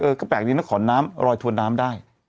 ก็แปลกดีนะขอน้ำรอยถวนน้ำได้